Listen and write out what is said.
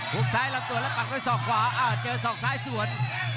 หุ้กซ้ายหลับตัวแล้วปักด้วยศอกซ้ายส่วน